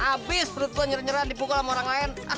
habis perut gua nyer nyeran dipukul sama orang lain